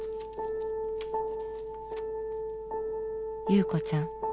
「侑子ちゃん。